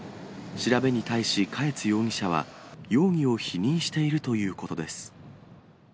調べに対し嘉悦容疑者は、容疑を否認しているということです。